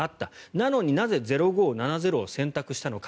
なのになぜ０５７０を選択したのか。